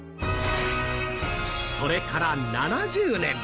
それから７０年。